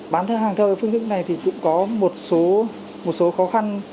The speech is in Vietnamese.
bán thêm hàng theo phương thức này thì cũng có một số khó khăn